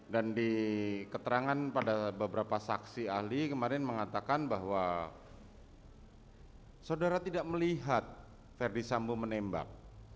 dan di keterangan pada beberapa saksi ahli kemarin mengatakan bahwa saudara tidak melihat ferdisambu menembak